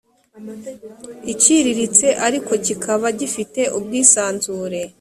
iciriritse ariko kikaba gifite ubwisanzure